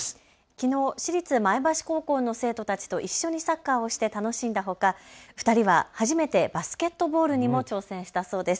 きのう市立前橋高校の生徒たちと一緒にサッカーをして楽しんだほか２人は初めてバスケットボールにも挑戦したそうです。